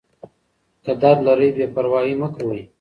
که درد لرئ بې پروايي مه کوئ.